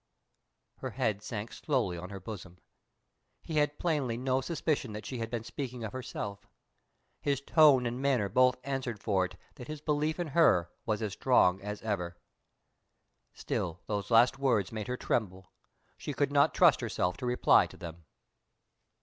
Her head sank slowly on her bosom. He had plainly no suspicion that she had been speaking of herself: his tone and manner both answered for it that his belief in her was as strong as ever. Still those last words made her tremble; she could not trust herself to reply to them.